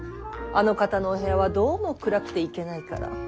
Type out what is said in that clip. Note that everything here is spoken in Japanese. あの方のお部屋はどうも暗くていけないから。